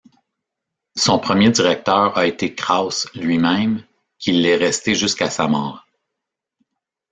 Son premier directeur a été Kraus lui-même, qui l'est resté jusqu'à sa mort.